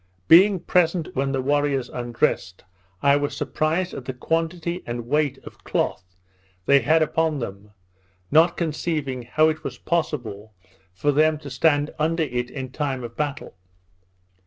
Being present when the warriors undressed, I was surprised at the quantity and weight of cloth they had upon them, not conceiving how it was possible for them to stand under it in time of battle.